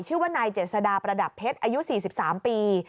ชื่อว่านายเจษดาประดับเพชรอายุ๔๓ปี